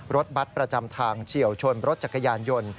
รถบัตรประจำทางเฉียวชนรถจักรยานยนต์